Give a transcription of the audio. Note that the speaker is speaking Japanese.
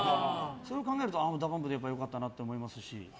それを考えるとＤＡＰＵＭＰで良かったなと思いますし。